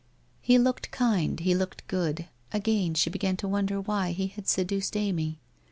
... He looked kind. He looked good. Again she began to wonder why he had seduced Amy?